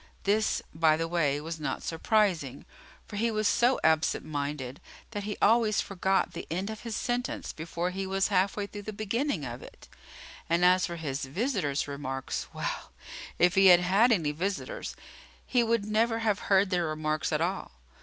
This, by the way, was not surprising, for he was so absent minded that he always forgot the end of his sentence before he was half way through the beginning of it; and as for his visitors' remarks well, if he had had any visitors, he would never have heard their remarks at all.